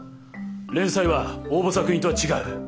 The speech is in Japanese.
連載は応募作品とは違う。